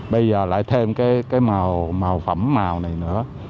bây giờ lại thêm cái màu màu phẩm màu này nữa